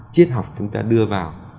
triết học chúng ta đưa vào